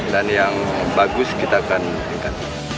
dan yang bagus kita akan inginkan